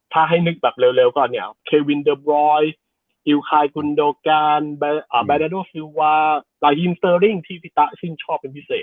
ถ้าให้นึกเร็วก่อนเควินเดอร์บรอยอิลคายกุลโดกันแบราโดฟิลวาหลายฮิมสเตอริงที่ฟิตะชิงชอบเป็นพิเศษ